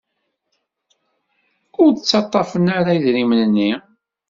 Ur ttaḍḍafen ara idrimen-nni.